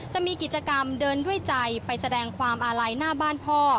จะมีกิจกรรมเดินด้วยใจไปแสดงความอาลัยหน้าบ้านพ่อ